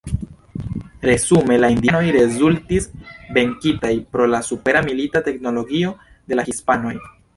Resume la indianoj rezultis venkitaj pro la supera milita teknologio de la hispanoj.